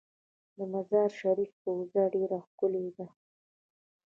د مزار شریف روضه ډیره ښکلې ده